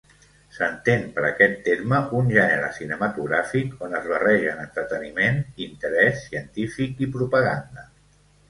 S'entén per aquest terme un gènere cinematogràfic on es barregen entreteniment, interès científic i propaganda.